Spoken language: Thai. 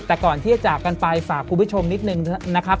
แต่ก่อนที่จะจากกันไปฝากคุณผู้ชมนิดนึงนะครับ